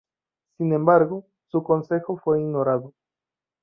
Sin embargo, su consejo fue ignorado.